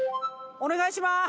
お願いしまーす。